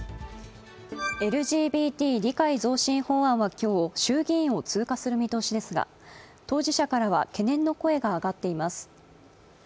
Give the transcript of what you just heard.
ＬＧＢＴ理解増進法案は今日衆議院を通過する見通しですが当事者からは懸念の声が上がっています。